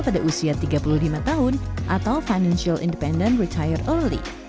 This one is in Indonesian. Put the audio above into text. pada usia tiga puluh lima tahun atau financial independent retire early